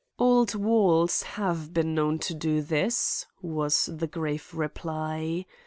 "Old walls have been known to do this," was the grave reply.